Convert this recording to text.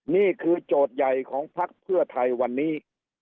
นี่คือโจทย์ใหญ่ของภักษ์เพื่อไทยวันนี้